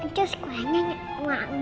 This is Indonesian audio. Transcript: ini terus kuenya wangi